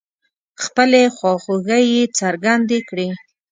خپلې خواخوږۍ يې څرګندې کړې.